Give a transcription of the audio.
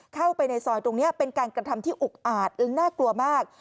เข้าไปในซอยตรงนี้เป็นการกระทำที่อุกอาจและน่ากลัวมาก